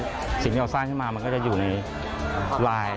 สิ่งที่เราสร้างขึ้นมามันก็จะอยู่ในไลน์